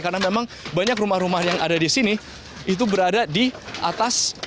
karena memang banyak rumah rumah yang ada di sini itu berada di atas